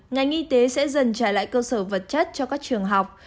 ngành y tế sẽ dần trả lại cơ sở vật chất cho các trường học